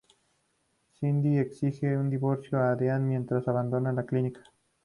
Cindy exige un divorcio a Dean mientras abandona la clínica.